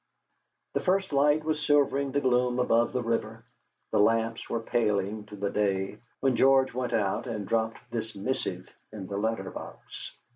The first light was silvering the gloom above the river, the lamps were paling to the day, when George went out and dropped this missive in the letter box.